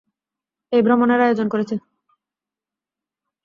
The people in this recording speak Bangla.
এই ভ্রমনের আয়োজন করেছে।